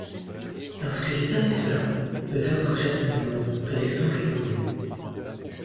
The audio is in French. Lorsque Lisa fait cela, Butters rejette sa demande, prétextant qu'elle est pour lui.